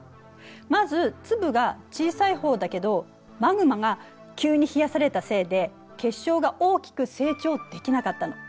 まず粒が小さい方だけどマグマが急に冷やされたせいで結晶が大きく成長できなかったの。